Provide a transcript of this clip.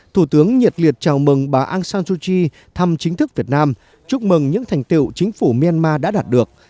thủ tướng nhiệt liệt chào mừng bà aung san suu kyi thăm chính thức việt nam chúc mừng những thành tiệu chính phủ myanmar đã đạt được